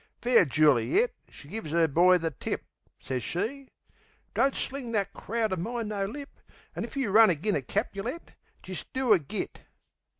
Fair Juli et, she gives 'er boy the tip. Sez she: "Don't sling that crowd o' mine no lip; An' if you run agin a Capulet, Jist do a get."